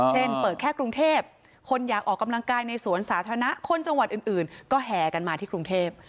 เช่นเปิดแค่กรุงเทพคนอยากออกกำลังกายในสวนสาธารณะคนจังหวัดอื่นก็แห่กันมาที่กรุงเทพ